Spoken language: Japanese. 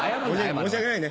申し訳ないね。